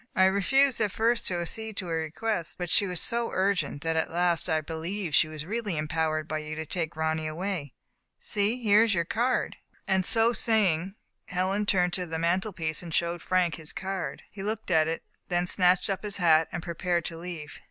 I refused at first to ac cede to her request, but she was so urgent that at last I believed she was really empowered by you to take Ronny away. See, here is your card, which she produced in token of the genuineness of her errand.*' And so saying, Helen turned to the mantelpiece and showed Frank his card. He looked at it, then snatched up his hat and pre pared to leave.